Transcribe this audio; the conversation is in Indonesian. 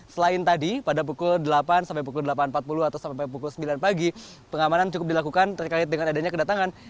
selain tadi pada pukul delapan sampai pukul delapan empat puluh atau sampai pukul sembilan pagi pengamanan cukup dilakukan terkait dengan adanya kedatangan